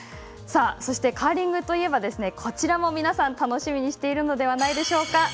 そして、カーリングといえばこちらも皆さん楽しみにしているのではないでしょうか。